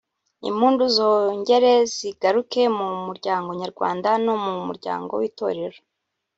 impundu zongere zigaruke mu muryango nyarwanda no mu muryango w’Itorero